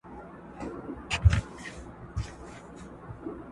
خلک روڼي اوږدې شپې کړي د غوټۍ په تمه تمه.!